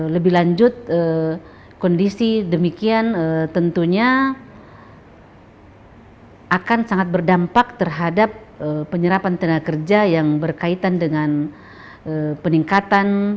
lebih lanjut kondisi demikian tentunya akan sangat berdampak terhadap penyerapan tenaga kerja yang berkaitan dengan peningkatan